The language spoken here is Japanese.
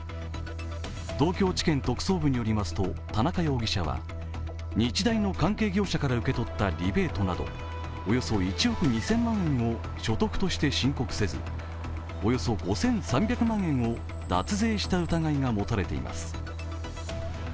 東京地検特捜部によりますと、田中容疑者は日大の関係業者から受け取ったリベートなどおよそ１億２０００万円を所得として申告せおよそ５３００万円を脱税した疑いが持たれています。